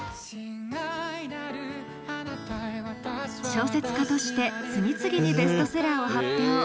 小説家として次々にベストセラーを発表。